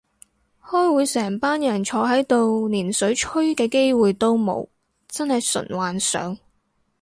開會成班人坐喺度連水吹嘅機會都冇，真係純幻想